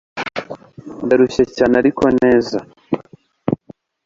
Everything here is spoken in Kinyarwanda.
Ndarushye cyane ariko neza